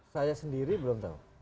saya sendiri belum tahu